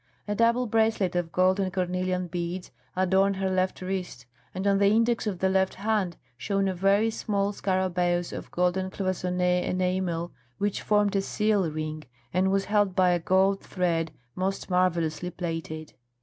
A double bracelet of gold and cornelian beads adorned her left wrist, and on the index of the left hand shone a very small scarabæus of golden cloisonné enamel, which formed a seal ring and was held by a gold thread most marvellously plaited.